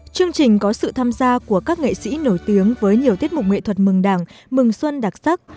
chương trình có sự tham gia của các nghệ sĩ nổi tiếng với nhiều tiết mục nghệ thuật mừng đảng mừng xuân đặc sắc